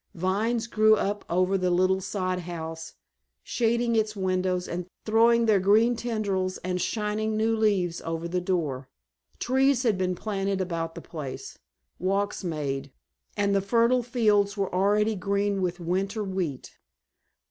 Vines grew up over the little sod house, shading its windows and throwing their green tendrils and shining new leaves over the door. Trees had been planted about the place, walks made, and the fertile fields were already green with winter wheat.